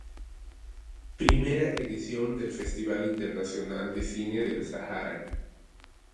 I edición del Festival Internacional de cine del Sahara